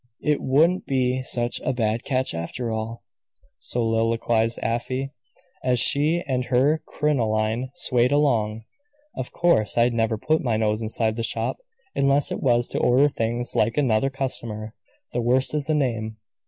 "It wouldn't be such a bad catch, after all," soliloquized Afy, as she and her crinoline swayed along. "Of course I'd never put my nose inside the shop unless it was to order things like another customer. The worst is the name.